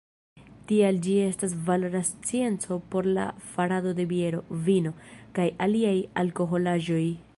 Tial ĝi estas valora scienco por la farado de biero, vino, kaj aliaj alkoholaĵoj.